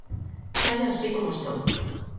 Saio así como estou.